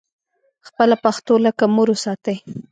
خپله پښتو لکه مور وساتئ